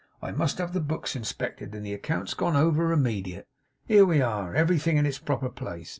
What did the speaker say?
I must have the books inspected and the accounts gone over immediate. Here we are. Everything in its proper place.